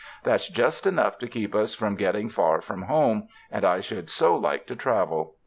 That's just enough to keep us from getting far from home, and I should so like to travel.